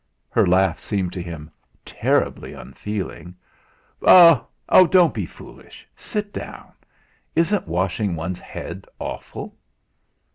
Her laugh seemed to him terribly unfeeling. "Oh! oh! Don't be foolish. Sit down. Isn't washing one's head awful?"